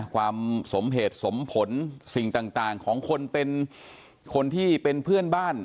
ความสมเหตุสมผลสิ่งต่างของคนเป็นคนที่เป็นเพื่อนบ้าน